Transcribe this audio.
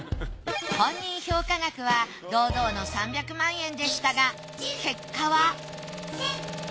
本人評価額は堂々の３００万円でしたが結果は！？